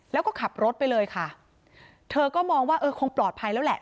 แล้วก็ขับรถไปเลยค่ะเธอก็มองว่าเออคงปลอดภัยแล้วแหละ